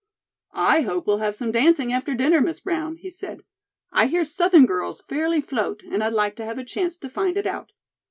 "I hope we'll have some dancing after dinner, Miss Brown," he said. "I hear Southern girls fairly float, and I'd like to have a chance to find it out."